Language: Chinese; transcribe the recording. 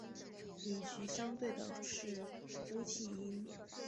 与其相对的是呼气音。